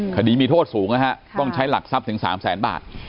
คดีมีโทษสูงนะฮะต้องใช้หลักทรัพย์ถึง๓แสนบาท